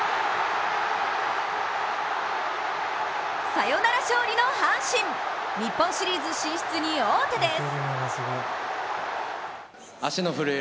サヨナラ勝利の阪神、日本シリーズ進出に王手です。